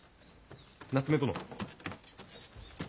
夏目殿。